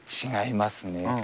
違いますね。